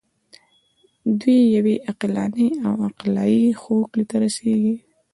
دوی یوې عقلاني او عقلایي هوکړې ته رسیږي.